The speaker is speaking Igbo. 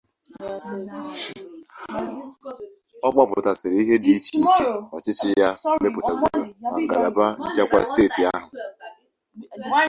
Ọ kpọpụtasịrị ihe dị iche iche ọchịchị ya mepụtagoro na ngalaba nchekwa steeti ahụ